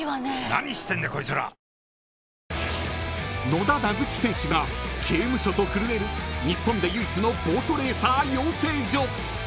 ［野田なづき選手が刑務所と震える日本で唯一のボートレーサー養成所］